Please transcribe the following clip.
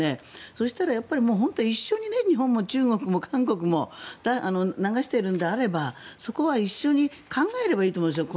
そうしたらやっぱり一緒にね日本も中国も韓国も流しているのであればそこは一緒に考えればいいと思うんですよ